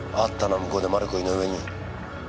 向こうでマルコ・イノウエに。